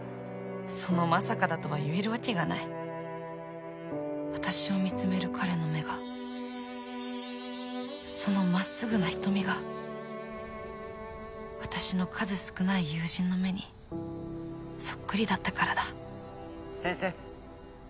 そのまさかだとは言えるわけがない私を見つめる彼の目がそのまっすぐな瞳が私の数少ない友人の目にそっくりだったからだ先生